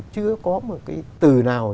chưa có một cái từ nào